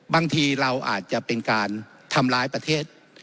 บางทีเราอาจจะเป็นการทำร้ายประเทศ